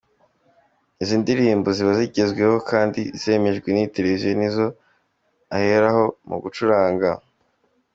Izi ndirimbo ziba zigezweho kandi zemejwe n’iyi Televiziyo, nizo aheraho mu gucuranga.